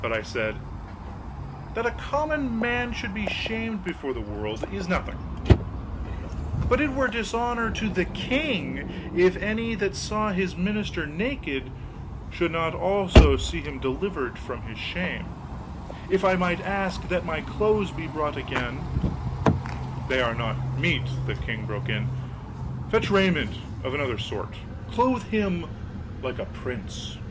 But I said: "That a common man should be shamed before the world, is nothing; but it were dishonor to the king if any that saw his minister naked should not also see him delivered from his shame. If I might ask that my clothes be brought again " "They are not meet," the king broke in. "Fetch raiment of another sort; clothe him like a prince!"